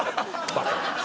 バカ！